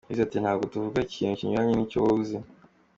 Yagize ati: “Ntabwo tuvuga ikintu kinyuranye n’icyo wowe uzi.